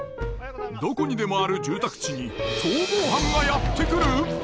どこにでもある住宅地に逃亡犯がやって来る！？